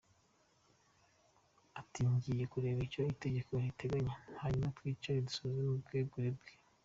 Ati “Ngiye kureba icyo itegeko riteganya hanyuma twicare dusuzume ubwegure bwe.